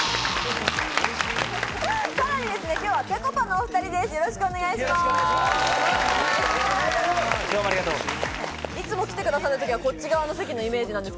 さらに今日はぺこぱのお２人です。